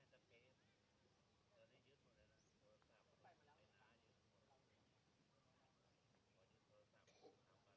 โปรดติดตามตอนต่อไป